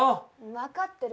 分かってる。